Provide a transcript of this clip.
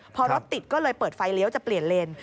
พอรถติดก็เลยเปิดไฟเลี้ยวจะเปลี่ยนเลน